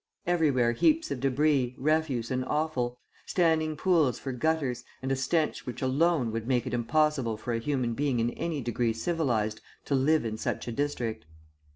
Everywhere heaps of debris, refuse, and offal; standing pools for gutters, and a stench which alone would make it impossible for a human being in any degree civilised to live in such a district.